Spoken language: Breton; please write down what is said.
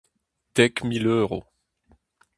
Dek mil euro !